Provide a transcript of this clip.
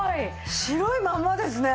白いままですね。